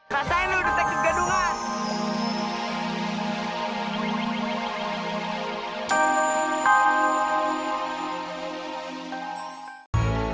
masain lu detek kegadungan